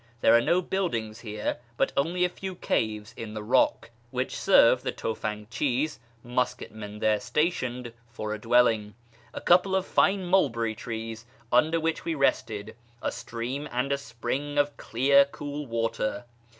There are no buildings here, but only a few caves in the rock, which serve the tufanJxhis (musket men) there stationed for a dwelling ; a couple of fine mulberry trees, under which we rested ; a stream; and a spring of clear, cool water.